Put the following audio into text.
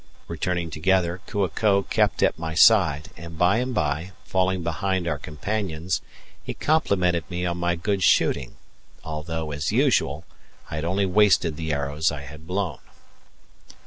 Returning together, Kua ko kept at my side, and by and by, falling behind our companions, he complimented me on my good shooting, although, as usual, I had only wasted the arrows I had blown.